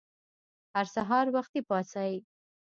هر سهار وختي پاڅئ!